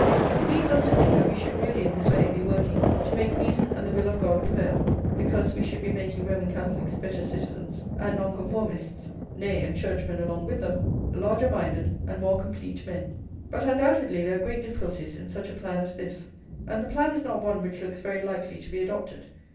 It leads us to think that we should really, in this way, be working to make reason and the will of God prevail; because we should be making Roman Catholics better citizens, and Nonconformists, nay, and Churchmen along with them, larger minded and more complete men. But undoubtedly there are great difficulties in such a plan as this; and the plan is not one which looks very likely to be adopted.